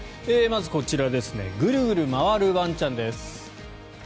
まず、こちらグルグル回るワンちゃんです。